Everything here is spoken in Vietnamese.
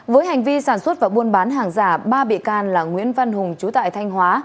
với hành vi sản xuất và buôn bán hàng giả ba bị can là nguyễn văn hùng chú tại thanh hóa